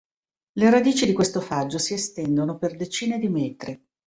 Le radici di questo faggio si estendono per decine di metri.